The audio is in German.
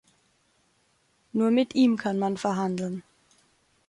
Nur mit ihm kann man verhandeln.